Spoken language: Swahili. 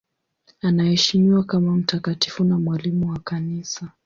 Anaheshimiwa kama mtakatifu na mwalimu wa Kanisa.